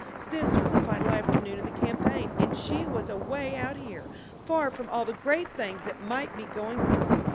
This was the final afternoon of the campaign and she was away out here, far from all the great things that might be going on.